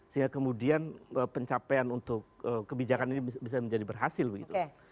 sehingga kemudian pencapaian untuk kebijakan ini bisa menjadi berhasil begitu